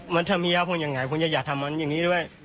มันถ้าเมียผมยังไงผมจะอย่าทำมันอย่างนี้ด้วย